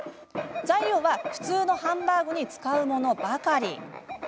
材料は普通のハンバーグに使うものばかり。